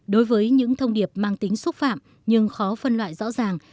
đối với những thông điệp mang tính xúc phạm nhưng khó phân loại rõ ràng